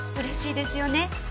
嬉しいですよね。